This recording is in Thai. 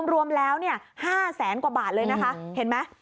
รวมแล้ว๕แสนกว่าบาทเลยนะคะเห็นไหม